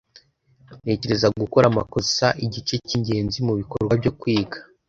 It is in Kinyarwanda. Ntekereza gukora amakosa igice cyingenzi mubikorwa byo kwiga.